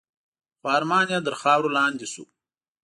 خو ارمان یې تر خاورو لاندي شو .